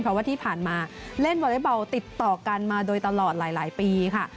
เพราะว่าที่ผ่านมาเล่นวอเล็กบอลติดต่อกันมาโดยตลอดหลายปีค่ะ